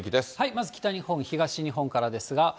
まず北日本、東日本からですが。